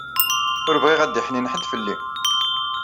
Ur bɣiɣ ad d-iḥin ḥedd fell-i.